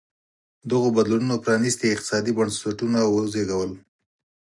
دغو بدلونونو پرانېستي اقتصادي بنسټونه وزېږول.